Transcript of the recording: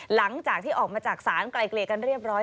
หลังจากที่ออกมาจากศาลไกลเกลียกันเรียบร้อย